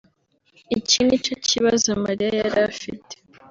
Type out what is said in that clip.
Iki ni cyo kibazo Mariya yari afite